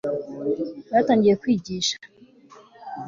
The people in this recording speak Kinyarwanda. batangiye kwigisha